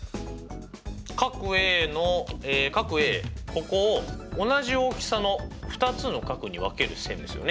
ここを同じ大きさの２つの角に分ける線ですよね。